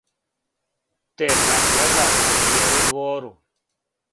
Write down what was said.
Те да гледа ка бијелу двору